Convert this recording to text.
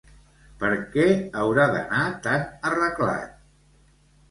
Per què haurà d'anar tan arreglat?